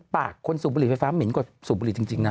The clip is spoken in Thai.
ปากคนสูบบุหรี่ไฟฟ้าเหม็นกว่าสูบบุหรี่จริงนะ